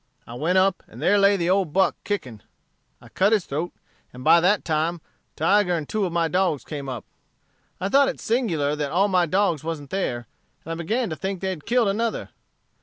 I went up, and there lay the old buck kicking. I cut his throat, and by that time, Tiger and two of my dogs came up. I thought it singular that all my dogs wasn't there, and I began to think they had killed another.